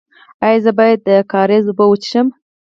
ایا زه باید د کاریز اوبه وڅښم؟